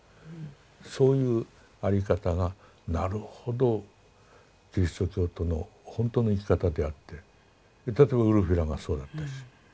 そういう在り方がなるほどキリスト教徒のほんとの生き方であって例えばウルフィラがそうだったし。